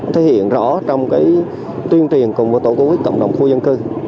thể hiện rõ trong cái tuyên truyền cùng với tổ quốc quýt cộng đồng khu dân cư